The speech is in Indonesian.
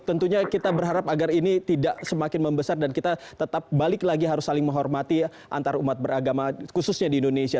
tentunya kita berharap agar ini tidak semakin membesar dan kita tetap balik lagi harus saling menghormati antarumat beragama khususnya di indonesia